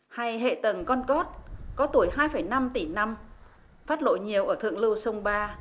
hay hệ tầng con cót có tuổi hai năm tỷ năm phát lộ nhiều ở thượng lưu sông ba